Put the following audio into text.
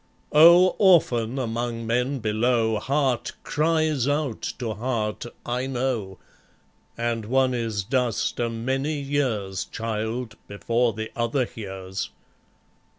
Oh! often among men below, Heart cries out to heart, I know, And one is dust a many years, Child, before the other hears.